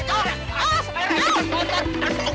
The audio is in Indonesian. cari kesempatan lo ya